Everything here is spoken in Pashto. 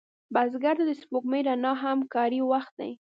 بزګر ته د سپوږمۍ رڼا هم کاري وخت دی